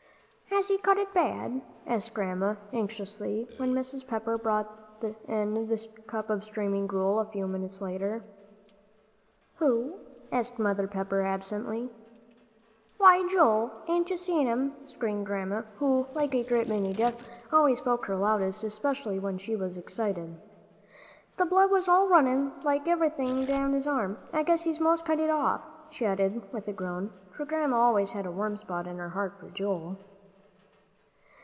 "Has he cut it bad?" asked Grandma, anxiously, when Mrs. Pepper brought in the cup of steaming gruel a few minutes later. "Who?" asked Mother Pepper, absently. "Why Joel. Hain't you seen it?" screamed Grandma, who, like a great many deaf people, always spoke her loudest, especially when she was excited. "The blood was all runnin' like everything down his arm. I guess he's most cut it off," she added with a groan, for Grandma always had a warm spot in her heart for Joel.